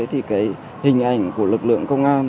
thì cái hình ảnh của lực lượng công an